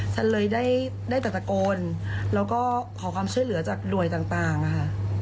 ฉันเลยได้แต่ตะโกนแล้วก็ขอความช่วยเหลือจากหน่วยต่างค่ะ